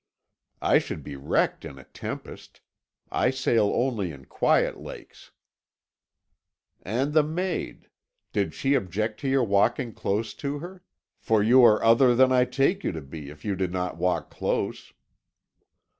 "I should be wrecked in a tempest. I sail only in quiet lakes." "And the maid did she object to your walking close to her? for you are other than I take you to be if you did not walk close."